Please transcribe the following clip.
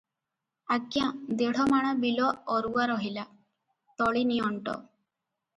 ଆଜ୍ଞା, ଦେଢ଼ମାଣ ବିଲ ଅରୁଆ ରହିଲା, ତଳି ନିଅଣ୍ଟ ।